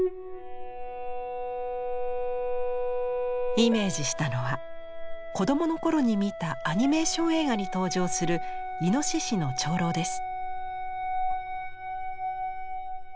イメージしたのは子供の頃に見たアニメーション映画に登場する猪の長老です。